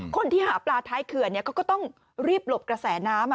คนที่หาปลาท้ายเขื่อนเขาก็ต้องรีบหลบกระแสน้ำ